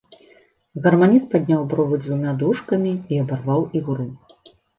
Гарманіст падняў бровы дзвюма дужкамі і абарваў ігру.